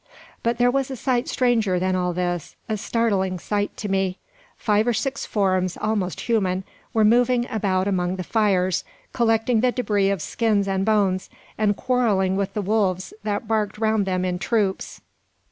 But there was a sight stranger than all this, a startling sight to me. Five or six forms, almost human, were moving about among the fires, collecting the debris of skins and bones, and quarrelling with the wolves that barked round them in troops.